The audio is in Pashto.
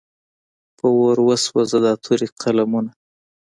په اور وسوځه دا تورې قلمونه.